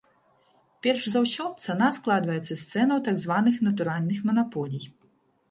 Перш за ўсё, цана складваецца з цэнаў так званых натуральных манаполій.